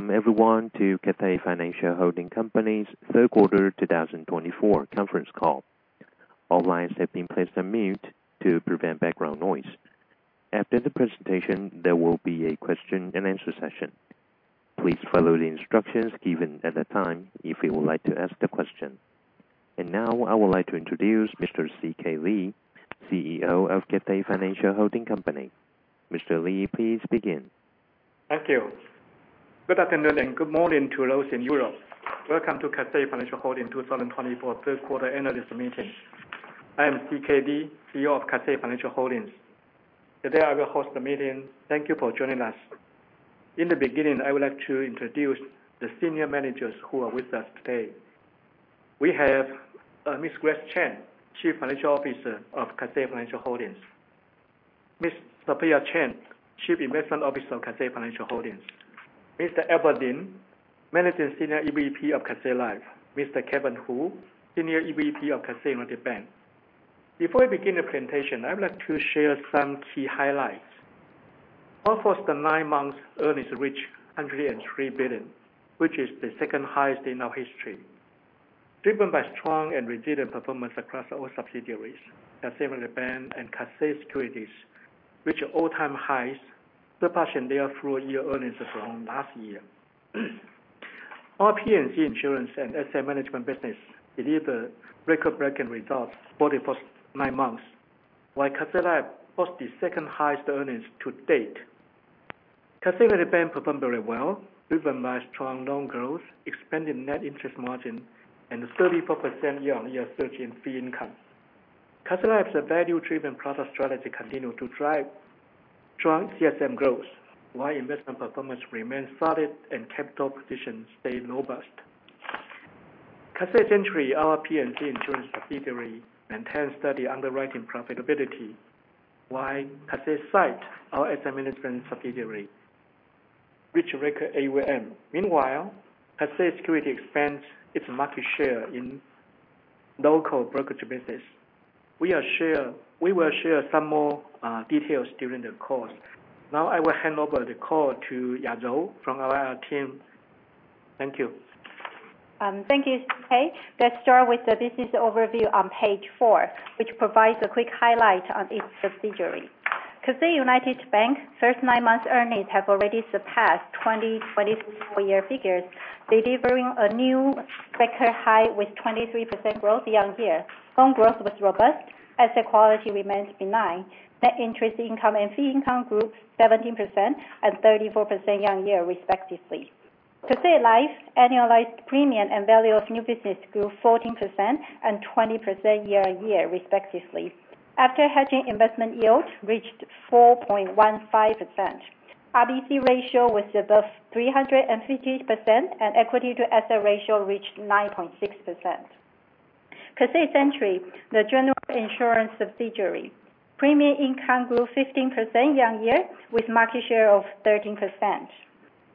Welcome everyone to Cathay Financial Holding Company's Third Quarter 2024 Conference Call. All lines have been placed on mute to prevent background noise. After the presentation, there will be a question-and-answer session. Please follow the instructions given at the time if you would like to ask the question. Now I would like to introduce Mr. C.K. Lee, CEO of Cathay Financial Holding Company. Mr. Lee, please begin. Thank you. Good afternoon, good morning to those in Europe. Welcome to Cathay Financial Holding 2024 third quarter analyst meeting. I am C.K. Lee, CEO of Cathay Financial Holding. Today, I will host the meeting. Thank you for joining us. In the beginning, I would like to introduce the senior managers who are with us today. We have Ms. Grace Chen, Chief Financial Officer of Cathay Financial Holding. Ms. Sophia Cheng, Chief Investment Officer of Cathay Financial Holding. Mr. Abel Lin, Managing Senior EVP of Cathay Life. Mr. Kevin Hu, Senior EVP of Cathay United Bank. Before we begin the presentation, I would like to share some key highlights. First, the nine months earnings reach 103 billion, which is the second highest in our history. Driven by strong and resilient performance across all subsidiaries, Cathay United Bank and Cathay Securities reach all-time highs, surpassing their full year earnings from last year. Our P&C insurance and asset management business deliver record-breaking results for the first nine months, while Cathay Life posts the second-highest earnings to date. Cathay United Bank performed very well, driven by strong loan growth, expanding net interest margin, and a 34% year-over-year surge in fee income. Cathay Life's value-driven product strategy continued to drive strong CSM growth, while investment performance remains solid and capital position stay robust. Cathay Century, our P&C insurance subsidiary, maintains steady underwriting profitability, while Cathay Securities Investment Trust, our asset management subsidiary, reach record AUM. Meanwhile, Cathay Securities expands its market share in local brokerage business. We will share some more details during the course. Now I will hand over the call to Ya-Jou Chang from our IR team. Thank you. Thank you, C.K. Let's start with the business overview on page 4, which provides a quick highlight on each subsidiary. Cathay United Bank first nine months earnings have already surpassed 2024-year figures, delivering a new record high with 23% growth year-over-year. Loan growth was robust, asset quality remains benign, net interest income and fee income grew 17% and 34% year-over-year respectively. Cathay Life annualized premium and value of new business grew 14% and 20% year-over-year respectively. After hedging investment yield reached 4.15%. RBC ratio was above 350%, and equity to asset ratio reached 9.6%. Cathay Century, the general insurance subsidiary, premium income grew 15% year-over-year, with market share of 13%.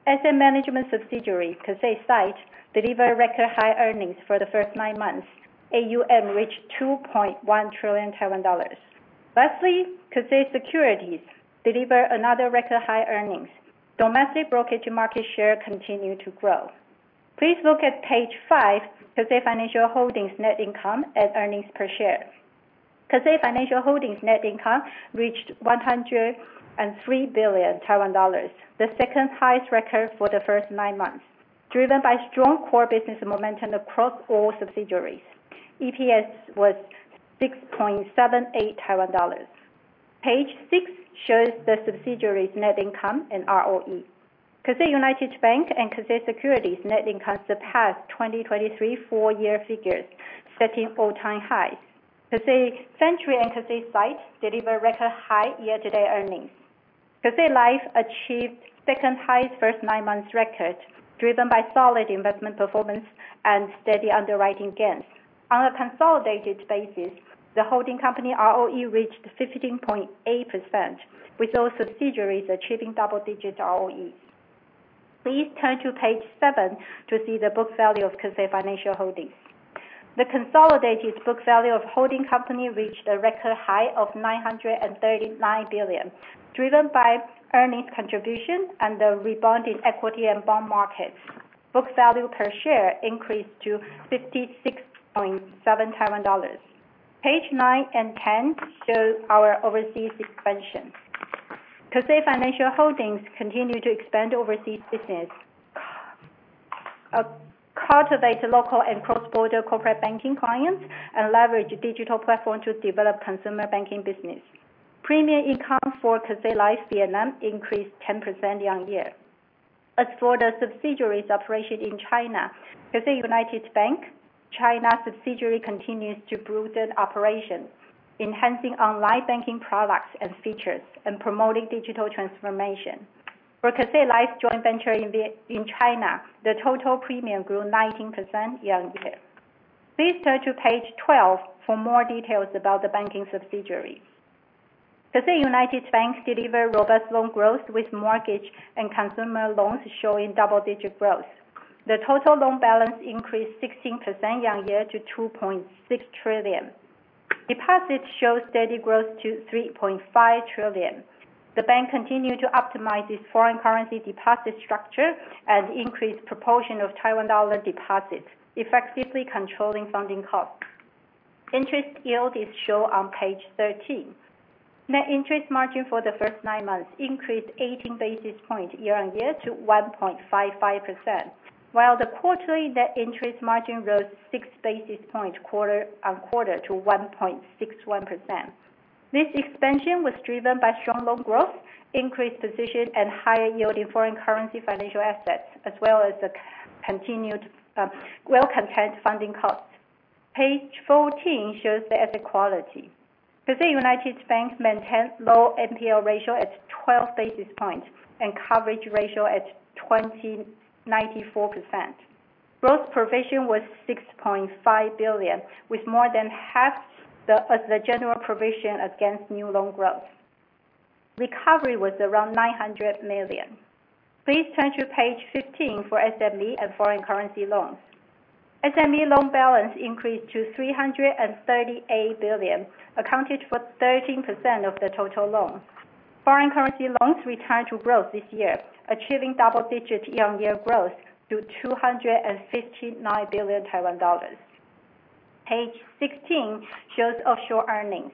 Asset management subsidiary, Cathay Securities Investment Trust, delivered record high earnings for the first nine months. AUM reached TWD 2.1 trillion. Lastly, Cathay Securities deliver another record high earnings. Domestic brokerage market share continue to grow. Please look at page five, Cathay Financial Holding net income and earnings per share. Cathay Financial Holding net income reached 103 billion Taiwan dollars, the second-highest record for the first nine months, driven by strong core business momentum across all subsidiaries. EPS was 6.78 Taiwan dollars. Page six shows the subsidiaries' net income and ROE. Cathay United Bank and Cathay Securities net income surpassed 2023 full-year figures, setting all-time highs. Cathay Century and Cathay Securities Investment Trust deliver record high year-to-date earnings. Cathay Life achieved second-highest first nine months record, driven by solid investment performance and steady underwriting gains. On a consolidated basis, the holding company ROE reached 15.8%, with all subsidiaries achieving double-digit ROEs. Please turn to page seven to see the book value of Cathay Financial Holding. The consolidated book value of holding company reached a record high of 939 billion, driven by earnings contribution and the rebound in equity and bond markets. Book value per share increased to 56.7 Taiwan dollars. Pages nine and 10 show our overseas expansion. Cathay Financial Holding continues to expand overseas business, cultivate local and cross-border corporate banking clients, and leverage digital platform to develop consumer banking business. Premium income for Cathay Life Vietnam increased 10% year-over-year. As for the subsidiaries operation in China, Cathay United Bank, China subsidiary continues to broaden operations, enhancing online banking products and features, and promoting digital transformation. For Cathay Life joint venture in China, the total premium grew 19% year-on-year. Please turn to page 12 for more details about the banking subsidiaries. Cathay United Bank deliver robust loan growth, with mortgage and consumer loans showing double-digit growth. The total loan balance increased 16% year-on-year to 2.6 trillion. Deposits show steady growth to 3.5 trillion. The bank continued to optimize its foreign currency deposit structure and increase proportion of Taiwan dollar deposits, effectively controlling funding costs. Interest yield is shown on page 13. Net interest margin for the first nine months increased 18 basis points year-on-year to 1.55%, while the quarterly net interest margin rose 6 basis points quarter-on-quarter to 1.61%. This expansion was driven by strong loan growth, increased positions and higher yield in foreign currency financial assets, as well as the continued, well-contained funding costs. Page 14 shows the asset quality. Cathay United Bank maintained low NPL ratio at 12 basis points and coverage ratio at 1,294%. Gross provision was 6.5 billion, with more than half as the general provision against new loan growth. Recovery was around 900 million. Please turn to page 15 for SME and foreign currency loans. SME loan balance increased to TWD 338 billion, accounted for 13% of the total loans. Foreign currency loans returned to growth this year, achieving double digits year-on-year growth to 259 billion Taiwan dollars. Page 16 shows offshore earnings.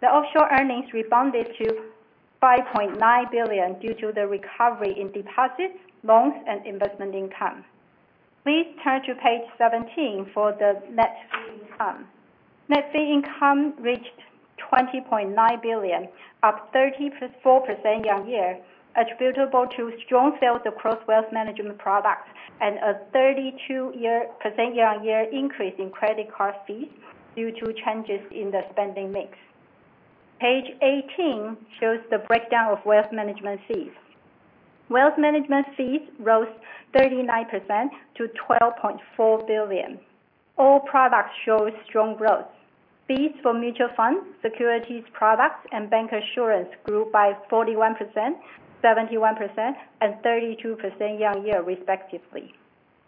The offshore earnings rebounded to 5.9 billion due to the recovery in deposits, loans, and investment income. Please turn to page 17 for the net fee income. Net fee income reached 20.9 billion, up 34% year-over-year, attributable to strong sales across wealth management products, and a 32% year-over-year increase in credit card fees due to changes in the spending mix. Page 18 shows the breakdown of wealth management fees. Wealth management fees rose 39% to 12.4 billion. All products show strong growth. Fees for mutual funds, securities products and bank insurance grew by 41%, 71% and 32% year-over-year respectively.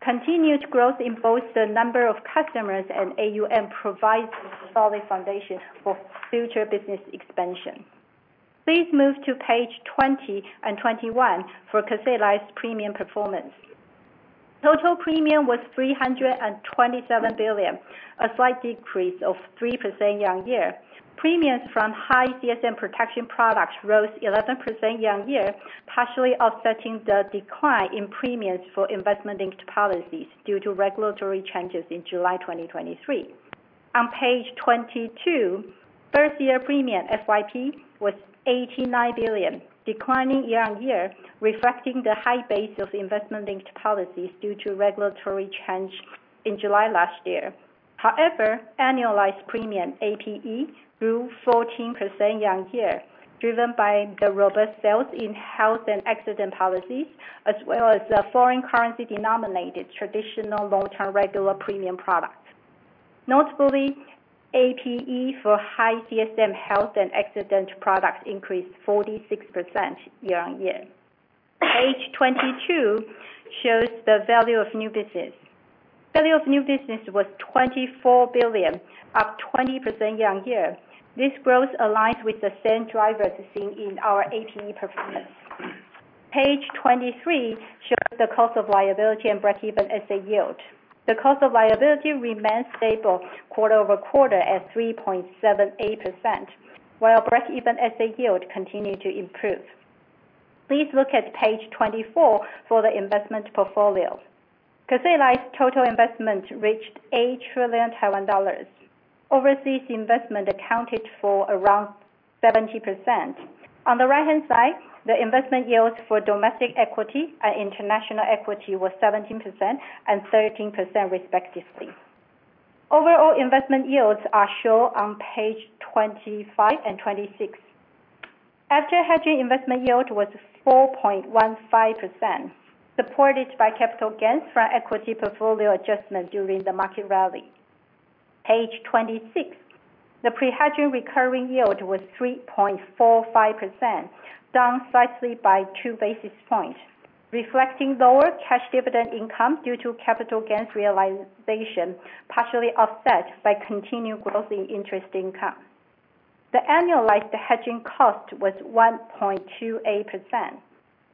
Continued growth in both the number of customers and AUM provides a solid foundation for future business expansion. Please move to page 20 and 21 for Cathay Life's premium performance. Total premium was 327 billion, a slight decrease of 3% year-over-year. Premiums from high CSM protection products rose 11% year-over-year, partially offsetting the decline in premiums for investment-linked policies due to regulatory changes in July 2023. On page 22, first year premium, FYP, was 89 billion, declining year-over-year, reflecting the high base of investment-linked policies due to regulatory change in July last year. However, annualized premium, APE, grew 14% year-over-year, driven by the robust sales in health and accident policies, as well as the foreign currency denominated traditional long-term regular premium products. Notably, APE for high CSM health and accident products increased 46% year-over-year. Page 22 shows the value of new business. Value of new business was 24 billion, up 20% year-over-year. This growth aligns with the same drivers seen in our APE performance. Page 23 shows the cost of liability and breakeven SA yield. The cost of liability remains stable quarter-over-quarter at 3.78%, while breakeven SA yield continued to improve. Please look at page 24 for the investment portfolio. Cathay Life's total investment reached 8 trillion Taiwan dollars. Overseas investment accounted for around 70%. On the right-hand side, the investment yields for domestic equity and international equity was 17% and 13% respectively. Overall investment yields are shown on page 25 and 26. After hedging, investment yield was 4.15%, supported by capital gains from equity portfolio adjustment during the market rally. Page 26. The pre-hedging recurring yield was 3.45%, down slightly by 2 basis points, reflecting lower cash dividend income due to capital gains realization, partially offset by continued growth in interest income. The annualized hedging cost was 1.28%.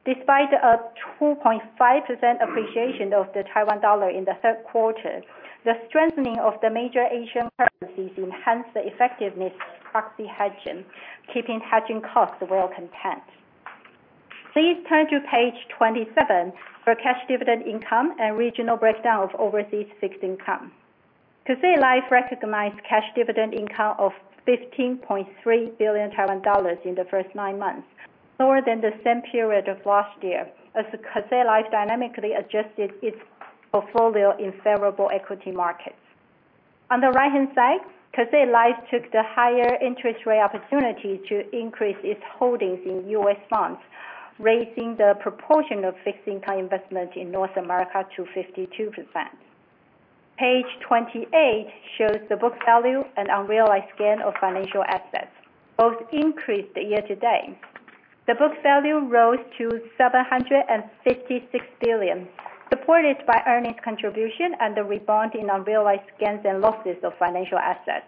Despite a 2.5% appreciation of the Taiwan dollar in the third quarter, the strengthening of the major Asian currencies enhanced the effectiveness of proxy hedging, keeping hedging costs well-contained. Please turn to page 27 for cash dividend income and regional breakdown of overseas fixed income. Cathay Life recognized cash dividend income of 15.3 billion Taiwan dollars in the first nine months, lower than the same period of last year as Cathay Life dynamically adjusted its portfolio in favorable equity markets. On the right-hand side, Cathay Life took the higher interest rate opportunity to increase its holdings in U.S. bonds, raising the proportion of fixed income investment in North America to 52%. Page 28 shows the book value and unrealized gain of financial assets. Both increased year-to-date. The book value rose to 756 billion, supported by earnings contribution and the rebound in unrealized gains and losses of financial assets.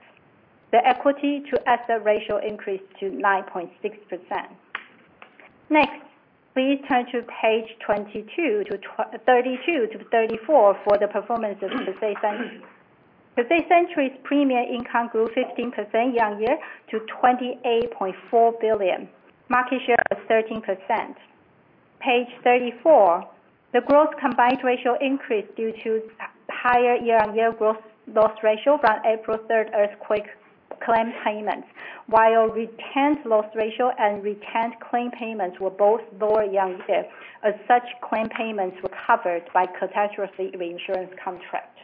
The equity to asset ratio increased to 9.6%. Next, please turn to page 22 to 32 to 34 for the performance of Cathay Century's premium income grew 15% year-over-year to TWD 28.4 billion. Market share was 13%. Page 34. The combined ratio increased due to slightly higher year-over-year loss ratio from April 3rd earthquake claim payments, while retained loss ratio and retained claim payments were both lower year-over-year, as such claim payments were covered by catastrophe insurance contract.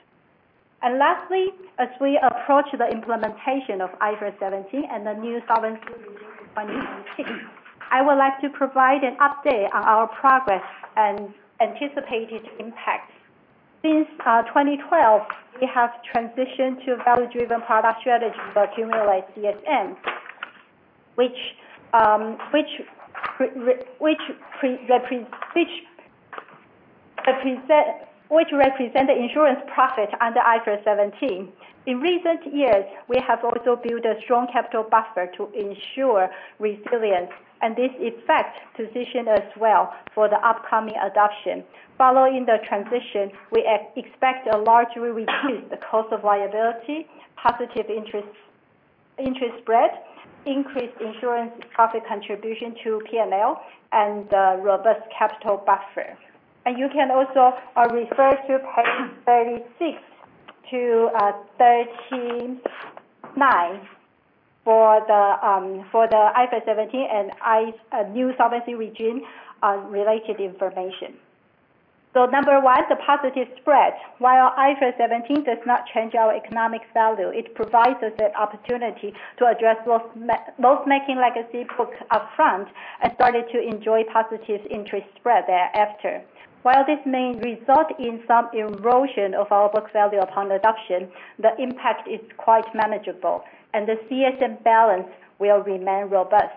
Lastly, as we approach the implementation of IFRS 17 and the new solvency regime in 2026, I would like to provide an update on our progress and anticipated impacts. Since 2012, we have transitioned to a value-driven product strategy that accumulate CSM, which represent the insurance profit under IFRS 17. In recent years, we have also built a strong capital buffer to ensure resilience, and this, in fact, position us well for the upcoming adoption. Following the transition, we expect a largely reduced cost of liability, positive interest spread, increased insurance profit contribution to PNL, and a robust capital buffer. You can also refer to page 36 to 39 for the IFRS 17 and new solvency regime related information. Number one, the positive spread. While IFRS 17 does not change our economic value, it provides us an opportunity to address loss-making legacy book upfront and started to enjoy positive interest spread thereafter. While this may result in some erosion of our book value upon adoption, the impact is quite manageable and the CSM balance will remain robust.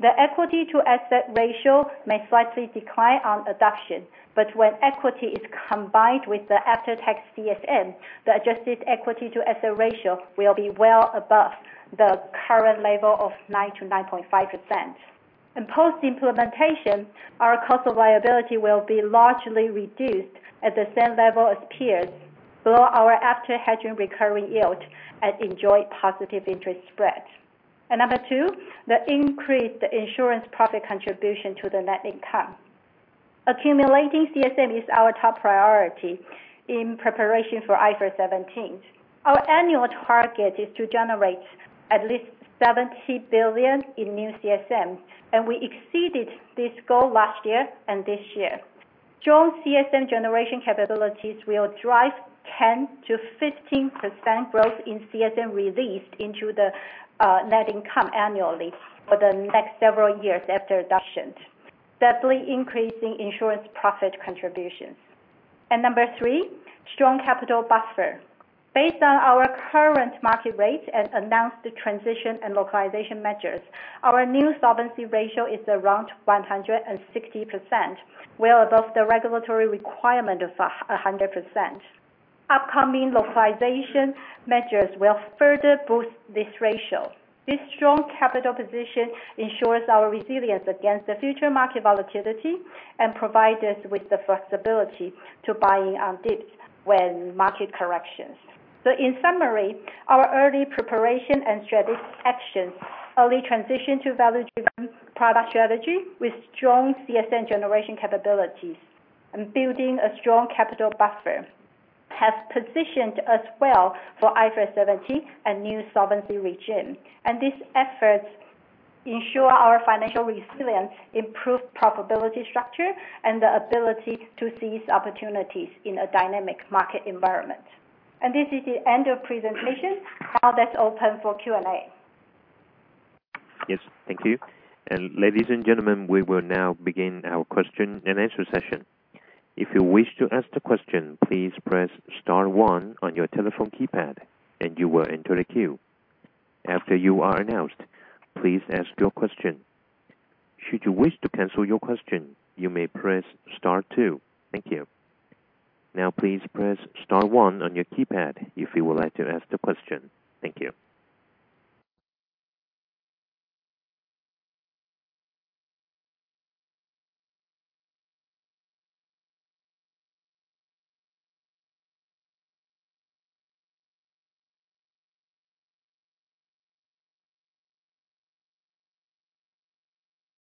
The equity to asset ratio may slightly decline on adoption, but when equity is combined with the after-tax CSM, the adjusted equity to asset ratio will be well above the current level of 9%-9.5%. In post-implementation, our cost of liability will be largely reduced at the same level as peers below our after-hedging recurring yield and enjoy positive interest spreads. Number two, the increased insurance profit contribution to the net income. Accumulating CSM is our top priority in preparation for IFRS 17. Our annual target is to generate at least 70 billion in new CSMs, and we exceeded this goal last year and this year. Strong CSM generation capabilities will drive 10%-15% growth in CSM released into the net income annually for the next several years after adoption, steadily increasing insurance profit contributions. Number three, strong capital buffer. Based on our current market rates and announced transition and localization measures, our new solvency ratio is around 160%, well above the regulatory requirement of 100%. Upcoming localization measures will further boost this ratio. This strong capital position ensures our resilience against the future market volatility and provide us with the flexibility to buying on dips when market corrections. In summary, our early preparation and strategic actions, early transition to value-driven product strategy with strong CSM generation capabilities and building a strong capital buffer, has positioned us well for IFRS 17 and new solvency regime. These efforts ensure our financial resilience, improve profitability structure, and the ability to seize opportunities in a dynamic market environment. This is the end of presentation. Now let's open for Q&A. Yes, thank you. Ladies and gentlemen, we will now begin our question-and-answer session. If you wish to ask the question, please press star one on your telephone keypad and you will enter the queue. After you are announced, please ask your question. Should you wish to cancel your question, you may press star two. Thank you. Now, please press star one on your keypad if you would like to ask the question. Thank you.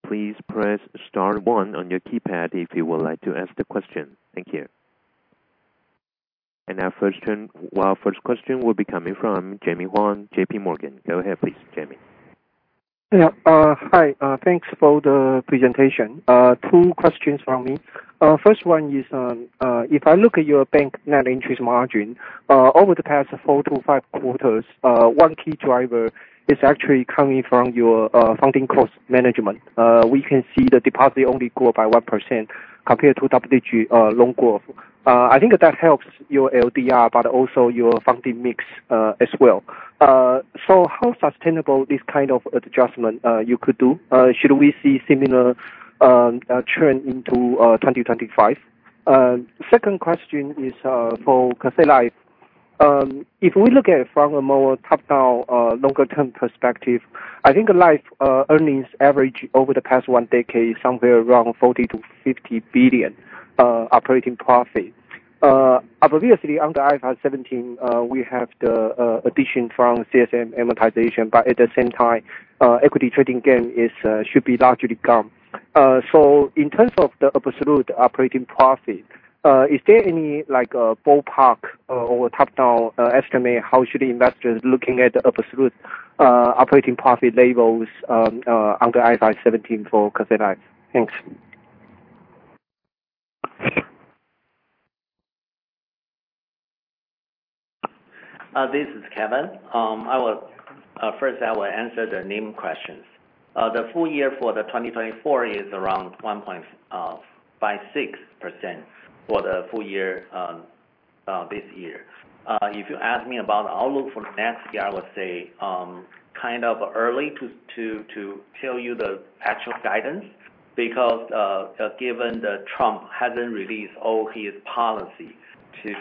Please press star one on your keypad if you would like to ask the question. Thank you. Our first question will be coming from Jemmy Huang, JPMorgan. Go ahead, please, Jemmy. Yeah. Hi. Thanks for the presentation. Two questions from me. First one is, if I look at your bank net interest margin, over the past four to five quarters, one key driver is actually coming from your funding cost management. We can see the deposit only grew by 1% compared to WDG loan growth. I think that helps your LDR, but also your funding mix, as well. How sustainable this kind of adjustment you could do? Should we see similar trend into 2025? Second question is, for Cathay Life. If we look at it from a more top-down, longer term perspective, I think life earnings average over the past one decade is somewhere around 40 billion-50 billion operating profit. Obviously, under IFRS 17, we have the addition from CSM amortization, but at the same time, equity trading gain should be largely gone. So in terms of the absolute operating profit, is there any, like, a ballpark or top-down estimate how should investors looking at the absolute operating profit levels under IFRS 17 for Cathay Life? Thanks. This is Kevin. I will first answer the NIM questions. The full year for 2024 is around 1.56% for the full year this year. If you ask me about outlook for next year, I will say kind of early to tell you the actual guidance because given that Trump hasn't released all his policy to.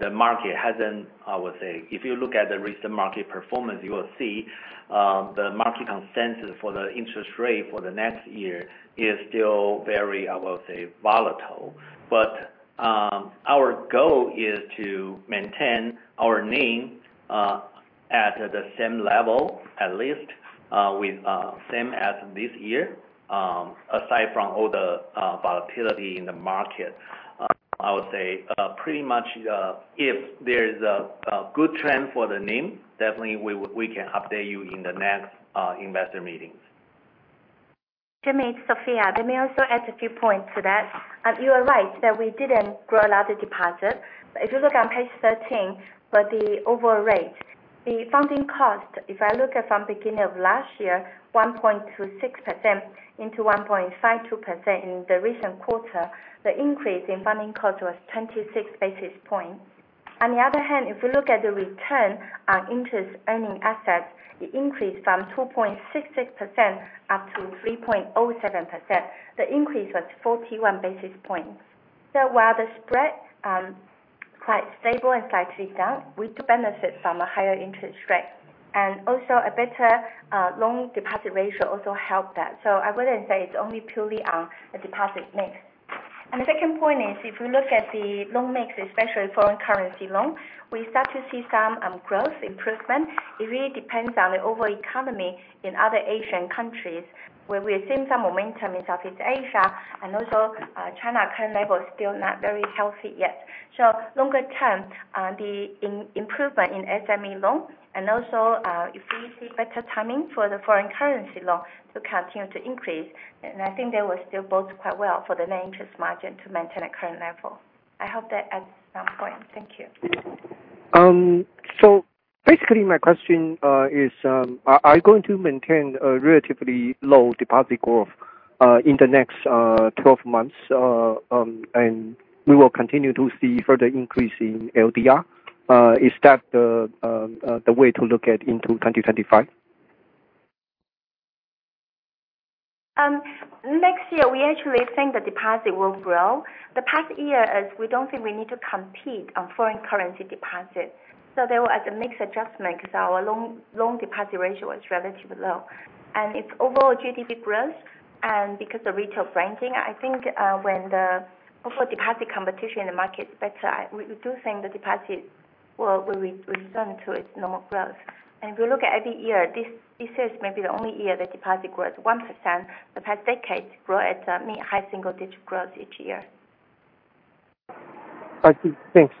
The market hasn't. I would say if you looked at the recent market performance, you would see the market consensus for the interest rate for the next year is still very volatile. Our goal is to maintain our NIM at the same level, at least, with same as this year aside from all the volatility in the market. I would say, pretty much, if there is a good trend for the NIM, definitely we can update you in the next investor meetings. Jemmy, it's Sophia. Let me also add a few points to that. You are right that we didn't grow another deposit. If you look on page 13, for the overall rate, the funding cost, if I look at from beginning of last year, 1.26% to 1.52% in the recent quarter, the increase in funding cost was 26 basis points. On the other hand, if we look at the return on interest earning assets, it increased from 2.66% up to 3.07%. The increase was 41 basis points. While the spread, quite stable and slightly down, we do benefit from a higher interest rate. And also, a better loan deposit ratio also helped that. I wouldn't say it's only purely on the deposit mix. The second point is if we look at the loan mix, especially foreign currency loan, we start to see some growth improvement. It really depends on the overall economy in other Asian countries, where we have seen some momentum in Southeast Asia, and also China current level is still not very healthy yet. Longer term, the improvement in SME loan and also if we see better timing for the foreign currency loan to continue to increase, and I think they will still bode quite well for the net interest margin to maintain at current level. I hope that adds some point. Thank you. Basically, my question is, are you going to maintain a relatively low deposit growth in the next 12 months, and we will continue to see further increase in LDR? Is that the way to look at into 2025? Next year we actually think the deposit will grow. The past year we don't think we need to compete on foreign currency deposits. There was a mix adjustment 'cause our loan deposit ratio was relatively low. It's overall GDP growth, and because of retail branching, I think when the overall deposit competition in the market is better, we do think the deposit will return to its normal growth. If we look at every year, this year is maybe the only year the deposit grows 1%. The past decade grows at mid-high single-digit growth each year. I see. Thanks.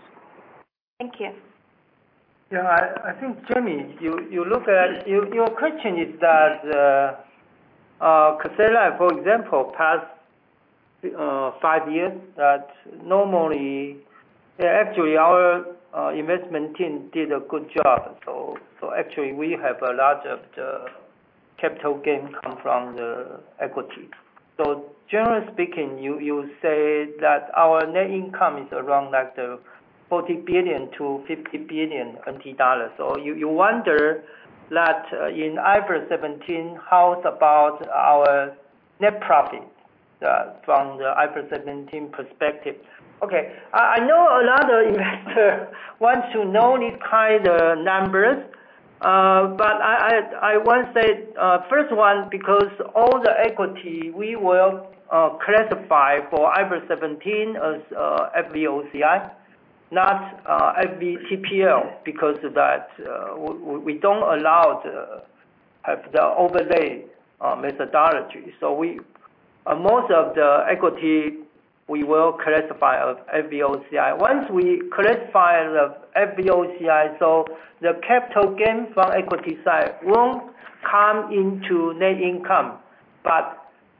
Thank you. Yeah. I think, Jemmy, you look at your question is that Cathay Life, for example, past five years, that normally. Yeah, actually, our investment team did a good job. Actually, we have a lot of the capital gain come from the equity. Generally speaking, you say that our net income is around like 40 billion-50 billion NT dollars. You wonder that in IFRS 17, how about our net profit from the IFRS 17 perspective? Okay. I know another investor wants to know this kind of numbers. But I want to say first one, because all the equity we will classify for IFRS 17 as FVOCI, not FVTPL, because that we don't allow the overlay methodology. So, we Most of the equity we will classify as FVOCI. Once we classify the FVOCI, the capital gain from equity side won't come into net income.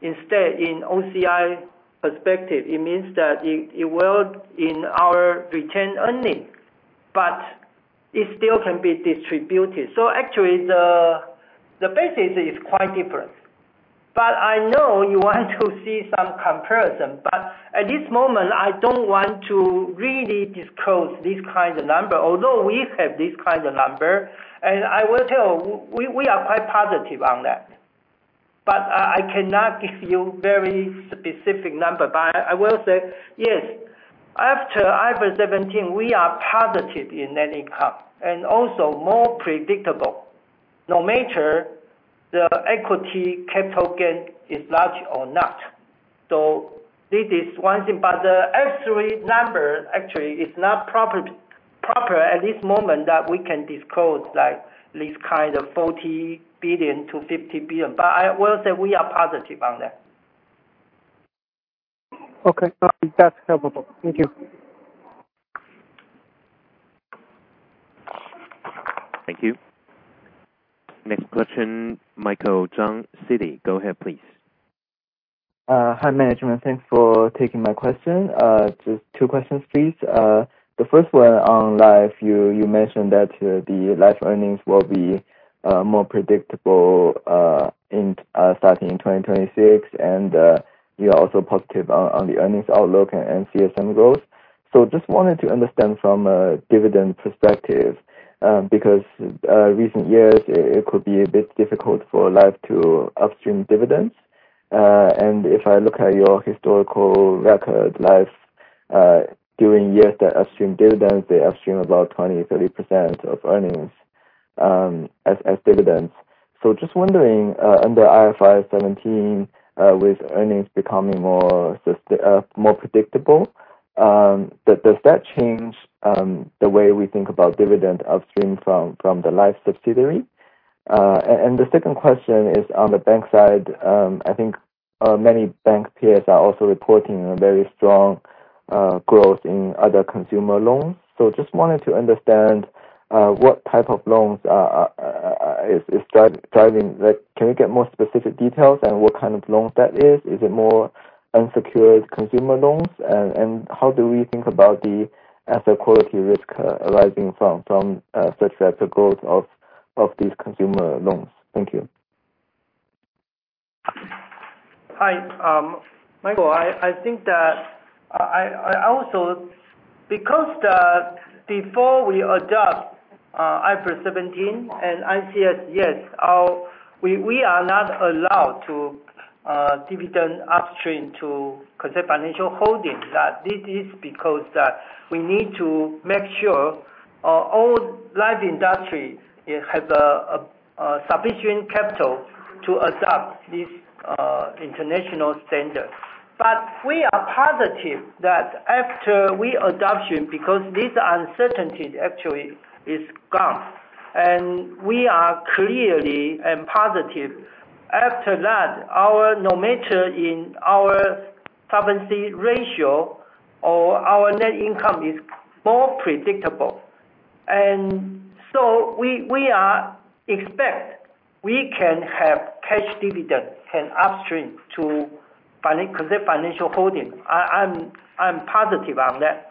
Instead, in OCI perspective, it means that it will in our retained earnings, but it still can be distributed. Actually, the basis is quite different. I know you want to see some comparison. At this moment, I don't want to really disclose this kind of number, although we have this kind of number. I will tell, we are quite positive on that. I cannot give you very specific number. I will say, yes, after IFRS 17, we are positive in net income and also more predictable, no matter the equity capital gain is large or not. This is one thing. The actual number actually is not proper at this moment that we can disclose, like, this kind of 40 billion-50 billion. I will say we are positive on that. Okay. That's helpful. Thank you. Thank you. Next question, Michael Zhang, Citi. Go ahead, please. Hi, management. Thanks for taking my question. Just two questions, please. The first one on life, you mentioned that the life earnings will be more predictable starting in 2026, and you are also positive on the earnings outlook and CSM growth. Just wanted to understand from a dividend perspective, because recent years it could be a bit difficult for life to upstream dividends. If I look at your historical record life, during years that upstream dividends, they upstream about 20%-30% of earnings as dividends. Just wondering under IFRS 17, with earnings becoming more predictable, does that change the way we think about dividend upstream from the life subsidiary? The second question is on the bank side. I think many bank peers are also reporting a very strong growth in other consumer loans. Just wanted to understand what type of loans is driving. Like, can we get more specific details on what kind of loans that is? Is it more unsecured consumer loans? How do we think about the asset quality risk arising from such rapid growth of these consumer loans? Thank you. Hi, Michael, I think that I also because before we adopt IFRS 17 and ICS, yes, we are not allowed to dividend upstream to Cathay Financial Holding. This is because we need to make sure our whole life industry has sufficient capital to adopt this international standard. We are positive that after we adoption, because this uncertainty actually is gone, and we are clearly and positive. After that, our no matter in our solvency ratio or our net income is more predictable. We expect we can have cash dividend and upstream to Cathay Financial Holding. I'm positive on that.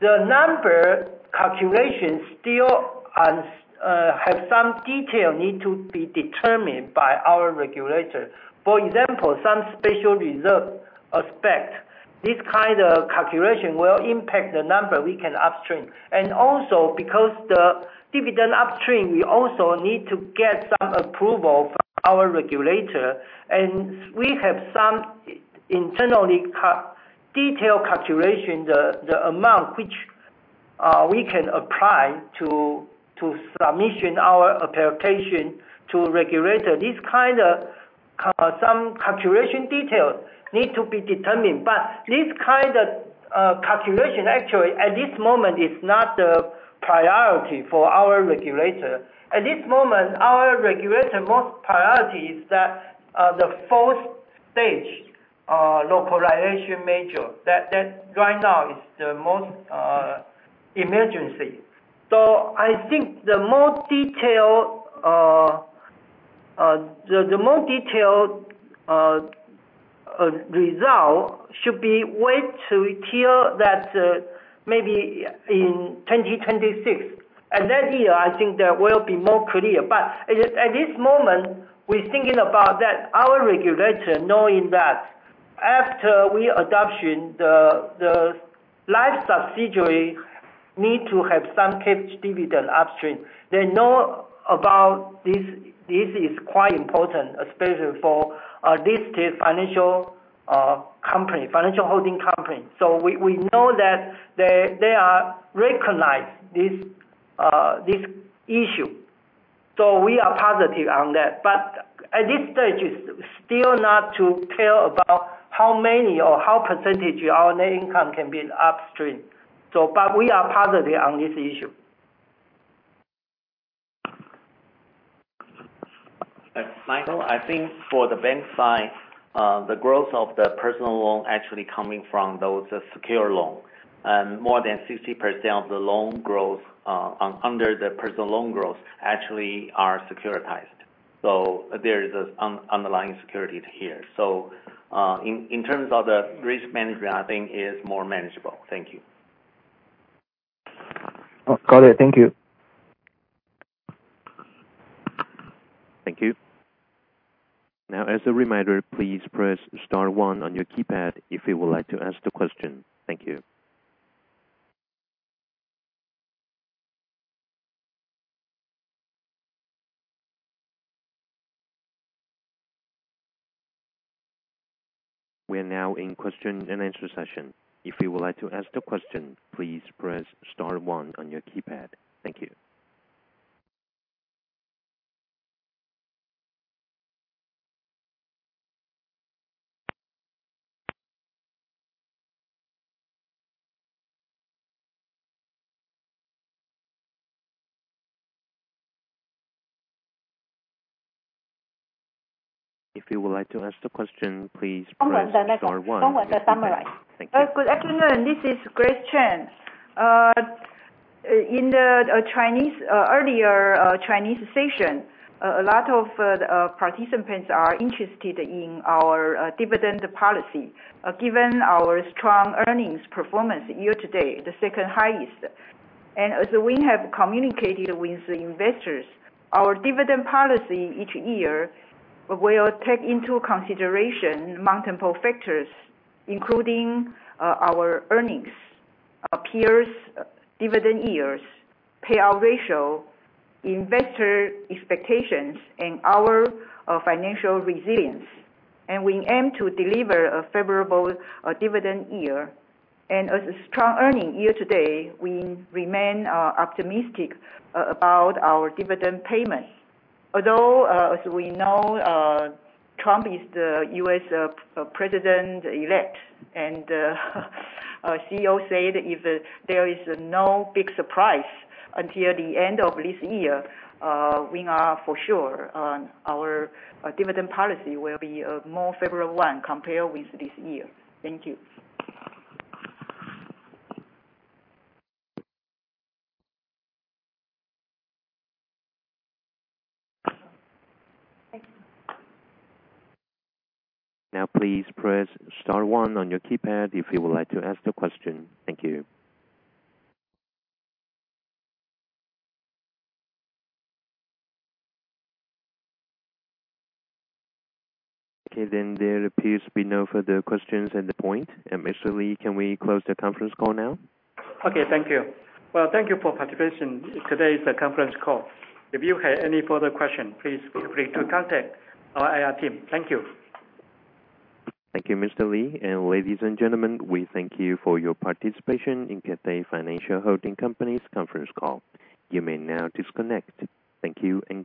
The number calculations still have some detail need to be determined by our regulator. For example, some special reserve aspect. This kind of calculation will impact the number we can upstream. Also, because the dividend upstream, we also need to get some approval from our regulator, and we have some internally detailed calculation, the amount which we can apply to submit our application to regulator. This kind of some calculation details need to be determined. This kind of calculation actually at this moment is not the priority for our regulator. At this moment, our regulator most priority is that the fourth stage localization measure. That right now is the most emergency. I think the more detailed result should wait till that maybe in 2026. That year, I think that will be clearer. At this moment, we're thinking about that our regulator knowing that after we adopt the life subsidiary needs to have some cash dividend upstream. They know about this. This is quite important, especially for this financial holding company. We know that they recognize this issue. We are positive on that. At this stage, it's still not to talk about how many or what percentage our net income can be upstream. We are positive on this issue. Michael, I think for the bank side, the growth of the personal loan actually coming from those secured loan. More than 60% of the loan growth under the personal loan growth actually are securitized. There is this underlying security here. In terms of the risk management, I think it is more manageable. Thank you. Got it. Thank you. Thank you. Now, as a reminder, please press star one on your keypad if you would like to ask the question. Thank you. We are now in question-and-answer session. If you would like to ask the question, please press star one on your keypad. Thank you. If you would like to ask the question, please press star one- Someone to summarize. Thank you. Good afternoon, this is Grace Chen. In the earlier Chinese session, a lot of the participants are interested in our dividend policy. Given our strong earnings performance year-to-date, the second-highest, and as we have communicated with investors, our dividend policy each year will take into consideration multiple factors, including our earnings, our peers' dividend yields, payout ratio, investor expectations, and our financial resilience. We aim to deliver a favorable dividend yield. As strong earnings year-to-date, we remain optimistic about our dividend payments. Although as we know, Trump is the U.S. president-elect, and our CEO said if there is no big surprise until the end of this year, we are for sure that our dividend policy will be a more favorable one compared with this year. Thank you. Okay, there appears to be no further questions at the point. Mr. Lee, can we close the conference call now? Okay, thank you. Well, thank you for participation in today's conference call. If you have any further question, please feel free to contact our IR team. Thank you. Thank you, Mr. Lee. Ladies and gentlemen, we thank you for your participation in Cathay Financial Holding Company's conference call. You may now disconnect. Thank you and goodbye.